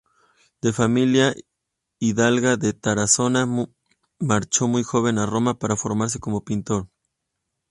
De familia hidalga de Tarazona marchó muy joven a Roma para formarse como pintor.